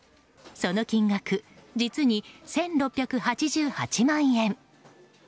その金額、実に１６８８万円。